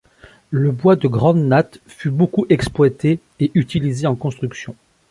Le bois de grand natte fut beaucoup exploité et utilisé en construction.